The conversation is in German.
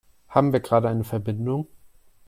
Haben wir gerade eine Verbindung?